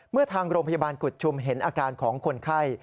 เมื่อทางโรงพยาบาลกุฎชุมเห็นอาการของคนไข้